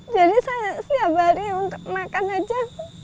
jadi saya setiap hari untuk makan aja